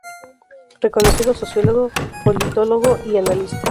Reconocido sociólogo, politólogo y analista.